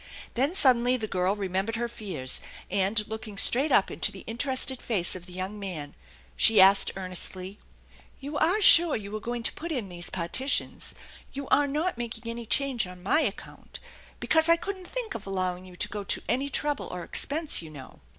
Then suddenly the girl remembered her fears; and, looking straight up into the interested face of the young man, she asked earnestly: " You are sure you were going to put in these partitions ? You are not making any change on my account? Because I couldn't think of allowing you to go to any trouble or expense, you know."